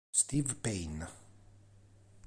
Steve Payne